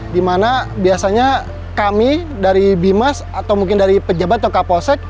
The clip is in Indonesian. dimana biasanya kami dari bimas atau mungkin dari pejabat atau kapolsek